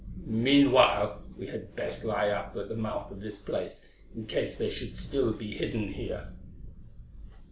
"Meanwhile we had best lie up at the mouth of this place in case they should still be hidden here."